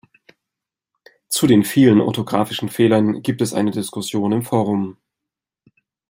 Zu den vielen orthografischen Fehlern gibt es eine Diskussion im Forum.